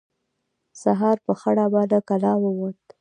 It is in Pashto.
سهار په خړه به له کلا ووت.